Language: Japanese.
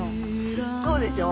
そうでしょう？